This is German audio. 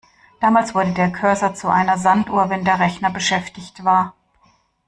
Damals wurde der Cursor zu einer Sanduhr, wenn der Rechner beschäftigt war.